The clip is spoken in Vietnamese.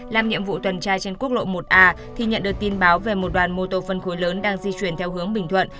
làm nhiệm vụ tuần tra trên quốc lộ một a thì nhận được tin báo về một đoàn mô tô phân khối lớn đang di chuyển theo hướng bình thuận